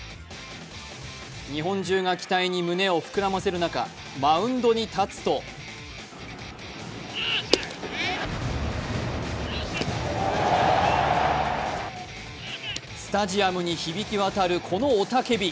日本中が期待に胸を膨らませる中、マウンドに立つとスタジアムに響きわたる、この雄たけび。